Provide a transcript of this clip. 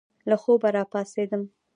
له خوبه را پاڅېدم.